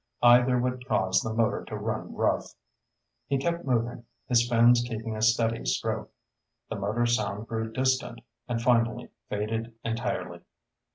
Either would cause the motor to run rough. He kept moving, his fins keeping a steady stroke. The motor sound grew distant, and finally faded entirely.